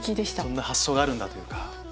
そんな発想があるんだ！というか。